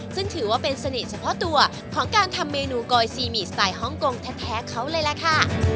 ซึ่งถือว่าเป็นเสน่ห์เฉพาะตัวของการทำเมนูกอยซีหมี่สไตล์ฮ่องกงแท้เขาเลยล่ะค่ะ